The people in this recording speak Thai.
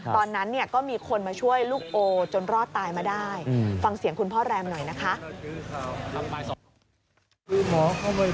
ตอนนั้นเนี่ยก็มีคนมาช่วยลูกโอจนรอดตายมาได้